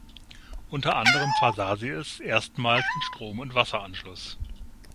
Unter anderem versah sie es erstmals mit Strom- und Wasseranschluss.